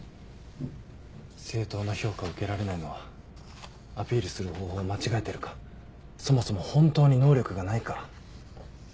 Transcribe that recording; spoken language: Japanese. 正当な評価を受けられないのはアピールする方法を間違えてるかそもそも本当に能力がないか。